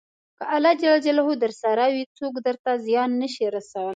که الله درسره وي، څوک درته زیان نه شي رسولی.